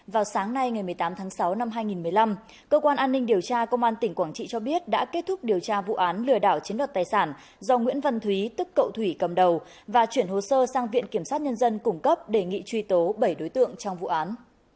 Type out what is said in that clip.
vào sáng nay ngày một mươi tám tháng sáu năm hai nghìn một mươi năm cơ quan an ninh điều tra công an tỉnh quảng trị cho biết đã kết thúc điều tra vụ án lừa đảo chiếm đoạt tài sản do nguyễn văn thúy tức cậu thủy cầm đầu và chuyển hồ sơ sang viện kiểm sát nhân dân cung cấp đề nghị truy tố bảy đối tượng trong vụ án